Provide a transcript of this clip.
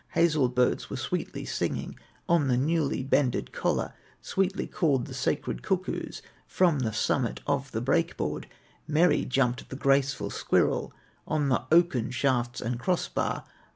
Hazel birds were sweetly singing On the newly bended collar; Sweetly called the sacred cuckoos From the summit of the break board; Merry, jumped the graceful squirrel On the oaken shafts and cross bar.